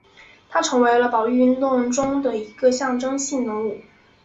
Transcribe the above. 他成为了保育运动中的一个象征性人物。